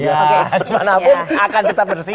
ya supaya dimanapun akan tetap bersih